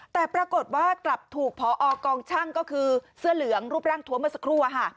แต่ปรากฏว่ากลับถูกพอกองช่างก็คือเสื้อเหลืองรูปร่างทวมเมื่อสักครู่